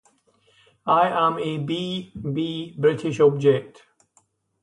I am a B-b-British object.